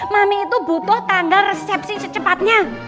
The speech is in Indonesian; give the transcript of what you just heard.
mami itu butuh tanggal resepsi secepatnya